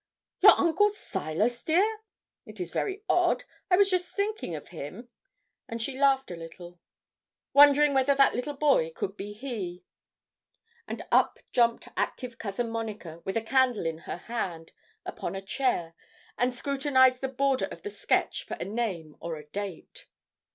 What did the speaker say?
'Your uncle Silas, dear? It is very odd, I was just thinking of him;' and she laughed a little. 'Wondering whether that little boy could be he.' And up jumped active Cousin Monica, with a candle in her hand, upon a chair, and scrutinised the border of the sketch for a name or a date.